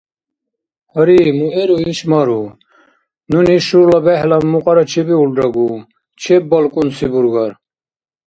Гьари, муэру иш мару? Нуни шурла бехӀлаб мукьара чебиулрагу. ЧеббалкӀунси бургар.